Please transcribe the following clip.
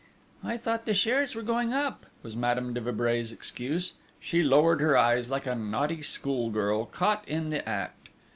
"I thought the shares were going up," was Madame de Vibray's excuse: she lowered her eyes like a naughty schoolgirl caught in the act.